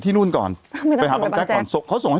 แต่หนูจะเอากับน้องเขามาแต่ว่า